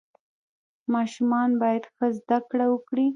ماشومان باید ښه زده کړه وکړي.